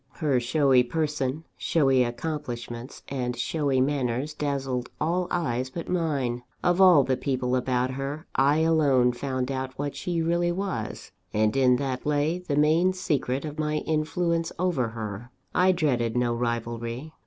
Her showy person, showy accomplishments, and showy manners dazzled all eyes but mine Of all the people about her, I alone found out what she really was; and in that lay the main secret of my influence over her. I dreaded no rivalry.